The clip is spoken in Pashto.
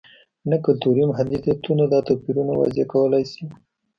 نه کلتوري محدودیتونه دا توپیرونه واضح کولای شي.